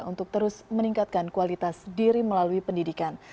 untuk terus meningkatkan kualitas diri melalui pendidikan